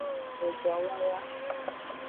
Edowawa.